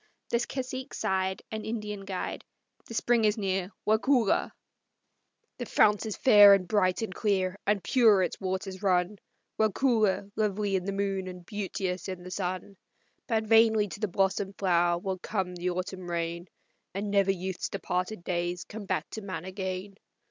The cacique sighed, And Indian guide, "The spring is near, Waukulla!" "The fount is fair and bright and clear, and pure its waters run; Waukulla, lovely in the moon and beauteous in the sun. But vainly to the blossomed flower will come the autumn rain, And never youth's departed days come back to man again.